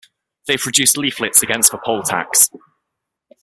They produced leaflets against the poll tax.